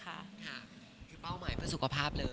ค่ะคือเป้าหมายเพื่อสุขภาพเลย